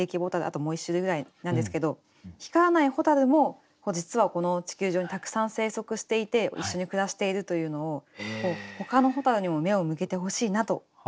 あともう１種類ぐらいなんですけど光らない蛍も実はこの地球上にたくさん生息していて一緒に暮らしているというのをほかの蛍にも目を向けてほしいなと思いつつ。